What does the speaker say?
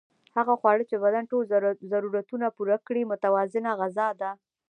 هغه خواړه چې د بدن ټول ضرورتونه پوره کړي متوازنه غذا ده